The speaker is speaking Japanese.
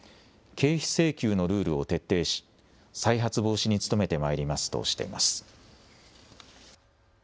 経費請求のルールを徹底し再発防止に努めてまいりますとしています。